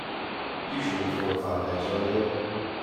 Usually, four or five eggs are laid.